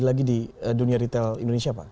jadi lagi di dunia retail indonesia pak